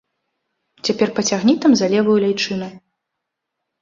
Цяпер пацягні там за левую ляйчыну.